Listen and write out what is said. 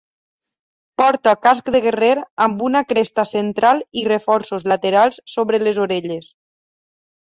Porta casc de guerrer amb una cresta central i reforços laterals sobre les orelles.